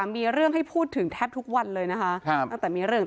มีเรื่องให้พูดถึงแทบทุกวันเลยนะคะตั้งแต่มีเรื่อง